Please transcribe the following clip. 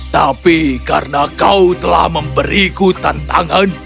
tapi karena kau telah memberiku tantangan